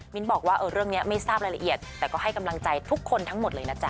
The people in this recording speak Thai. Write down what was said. บอกว่าเรื่องนี้ไม่ทราบรายละเอียดแต่ก็ให้กำลังใจทุกคนทั้งหมดเลยนะจ๊